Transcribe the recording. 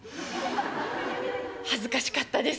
恥ずかしかったです。